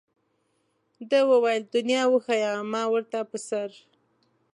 ده وویل دنیا وښیه ما ورته په سر.